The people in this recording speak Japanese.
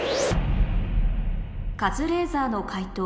カズレーザーの解答